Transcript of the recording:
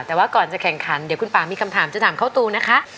แต่ว่าก่อนจะแข่งขันเดี๋ยวคุณป่ามีคำถามจะถามเข้าตูนะคะ